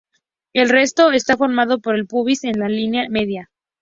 El resto está formado por el pubis en la línea media.